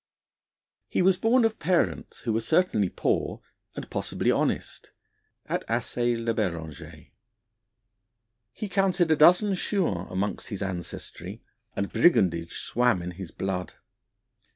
He was born of parents who were certainly poor, and possibly honest, at Assé le Berenger. He counted a dozen Chouans among his ancestry, and brigandage swam in his blood.